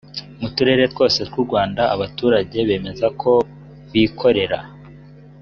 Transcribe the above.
mu turere twose tw’u rwanda abaturage bemeza ko babikora